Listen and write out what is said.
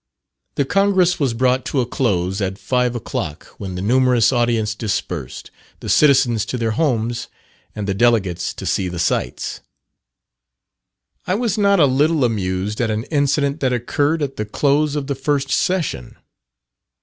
The Congress was brought to a close at five o'clock, when the numerous audience dispersed the citizens to their homes, and the delegates to see the sights. I was not a little amused at an incident that occurred at the close of the first session.